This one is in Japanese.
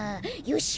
よし！